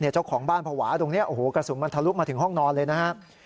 เจ้าของบ้านภาวะตรงนี้โอ้โหกระสุนมันทะลุมาถึงห้องนอนเลยนะครับ